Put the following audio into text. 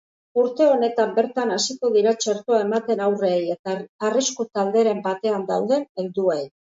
Urte honetan bertan hasiko dira txertoa ematen haurrei eta arrisku-talderen batean dauden helduei.